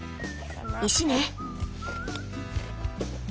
石ね。